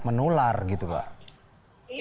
menular gitu mbak